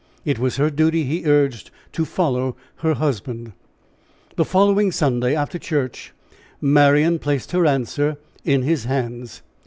It was her duty, he urged, to follow her husband. The following Sunday, after church, Marian placed her answer in his hands.